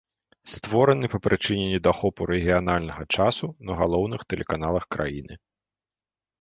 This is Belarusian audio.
Створаны па прычыне недахопу рэгіянальнага часу на галоўных тэлеканалах краіны.